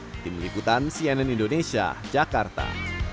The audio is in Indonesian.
tim liputan cnn indonesia jakarta